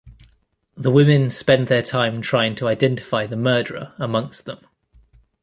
The women spend their time trying to identify the murderer amongst them.